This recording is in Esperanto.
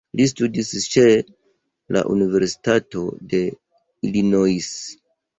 Li studis ĉe la Universitato de Illinois.